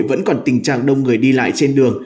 vẫn còn tình trạng đông người đi lại trên đường